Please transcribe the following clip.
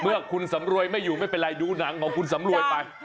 เมื่อคุณสำรวยไม่อยู่ไม่เป็นไรดูหนังของคุณสำรวยไป